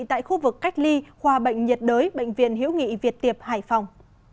tại khu vực cách ly khoa bệnh nhiệt đới bệnh viện hiễu nghị việt tiệp hải phòng